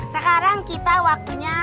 sekarang kita waktunya